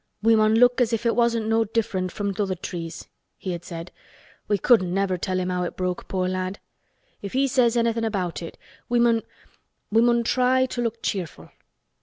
"We mun look as if it wasn't no different from th' other trees," he had said. "We couldn't never tell him how it broke, poor lad. If he says anything about it we mun—we mun try to look cheerful."